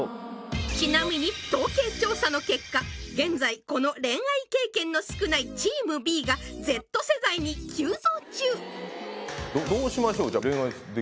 ちなみに統計調査の結果現在この恋愛経験の少ないチームＢがＺ世代に急増中どうしましょう？